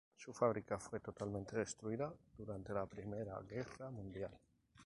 Su fábrica fue totalmente destruida durante la Primera Guerra Mundial.